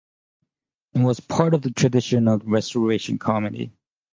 It was part of the tradition of Restoration comedy.